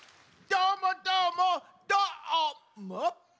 どーもどーもどーも！